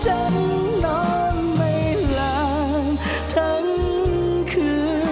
แชมป์กลุ่มนี้คือ